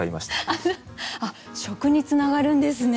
あっ食につながるんですね。